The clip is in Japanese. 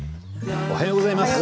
おはようございます。